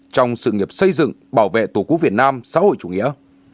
trong sự nghiệp xây dựng bảo vệ tổ quốc việt nam xã hội chủ nghĩa